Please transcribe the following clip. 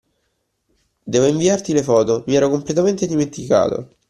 Devo inviarti le foto, mi ero completamente dimenticato.